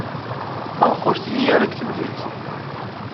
Maɣef ur thi ara deg temlilit?